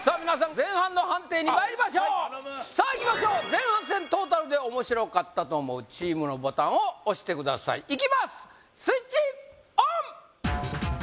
皆さん前半の判定にまいりましょうさあいきましょう前半戦トータルで面白かったと思うチームのボタンを押してくださいいきますスイッチオン！